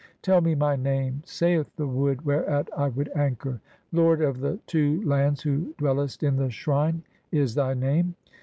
"Tell me my name," saith the wood whereat I would anchor ; "Lord of the two lands who dwellest in the Shrine," is thy name.